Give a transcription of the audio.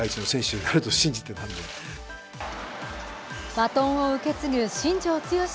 バトンを受け継ぐ新庄剛志